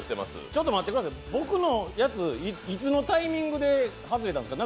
ちょっと待ってください、俺のいつのタイミングで外れたんですか。